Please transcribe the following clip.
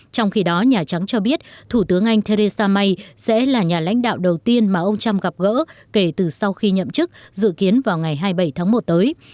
trong khi đó nhà trắng cho biết thủ tướng anh theresa may sẽ là nhà lãnh đạo đầu tiên mà ông trump gặp gỡ kể từ sau khi nhậm chức dự kiến vào ngày hai mươi bảy tháng một tới